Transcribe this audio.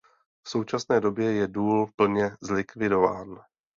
V současné době je důl plně zlikvidován.